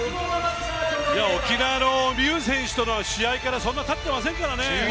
沖縄の美憂選手との試合からそんなに経ってませんからね。